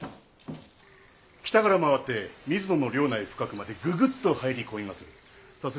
北から回って水野の領内深くまでぐぐっと入り込みまする。